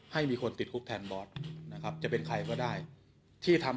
ให้มีคนติดคุกแทนบอสนะครับจะเป็นใครก็ได้ที่ทำ